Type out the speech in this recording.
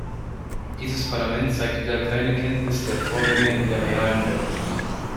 Dieses Parlament zeigt wieder keine Kenntnis der Vorgänge in der realen Welt.